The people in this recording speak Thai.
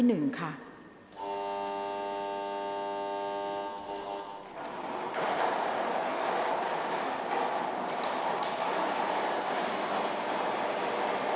จะใช้อุปกรณ์ออกรางวัลหลักที่๓